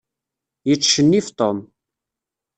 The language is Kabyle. Yettcennif Tom.